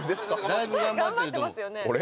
だいぶ頑張ってると思う俺？